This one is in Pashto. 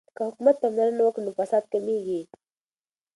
که حکومت پاملرنه وکړي نو فساد کمیږي.